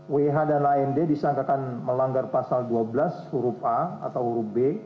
wh dan land disangkakan melanggar pasal dua belas huruf a atau huruf b